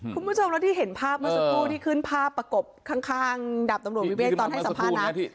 คุณผู้ชมแล้วที่เห็นภาพเมื่อสักครู่ที่ขึ้นภาพประกบข้างดับตำรวจวิเวกตอนให้สัมภาษณ์นะ